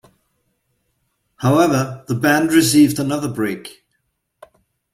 However, the band received another break.